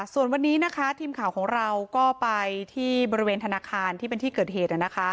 ส่วนวันนี้นะคะทีมข่าวของเราก็ไปที่บริเวณธนาคารที่เป็นที่เกิดเหตุ